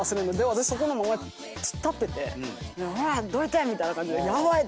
私そこ突っ立ってて「ほらっどいて」みたいな感じでヤバい！